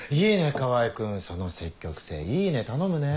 川合君その積極性いいね頼むね。